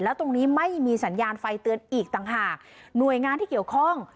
แล้วตรงนี้ไม่มีสัญญาณไฟเตือนอีกต่างหากหน่วยงานที่เกี่ยวข้อง